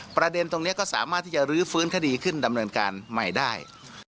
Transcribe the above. ประเด็นตรงนี้ก็สามารถที่จะรื้อฟื้นคดีขึ้นดำเนินการใหม่ได้